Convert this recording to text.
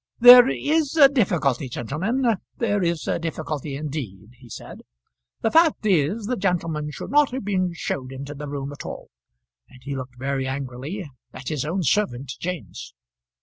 "There is a difficulty, gentlemen; there is a difficulty, indeed," he said. "The fact is, the gentleman should not have been showed into the room at all;" and he looked very angrily at his own servant, James.